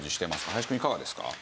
林くんいかがですか？